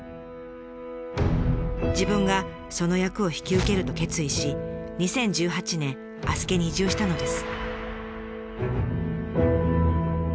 自分がその役を引き受けると決意し２０１８年足助に移住したのです。